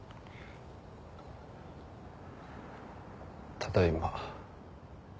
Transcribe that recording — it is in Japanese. ただいま。